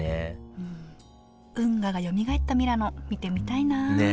運河がよみがえったミラノ見てみたいなあね